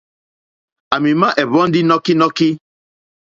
À mì má ɛ̀hwɔ̀ndí nɔ́kínɔ́kí.